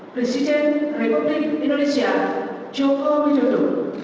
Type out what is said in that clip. presiden republik indonesia joko widodo